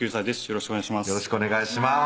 よろしくお願いします